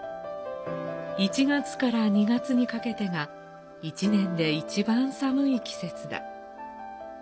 １月から２月にかけてが１年で一番寒い季節だ。